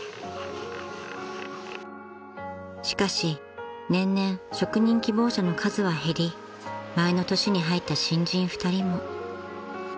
［しかし年々職人希望者の数は減り前の年に入った新人２人も］